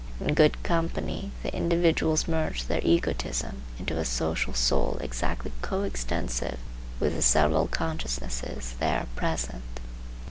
In good company the individuals merge their egotism into a social soul exactly co extensive with the several consciousnesses there present.